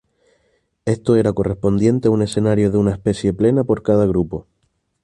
Esto era correspondiente a un escenario de una especie plena por cada grupo.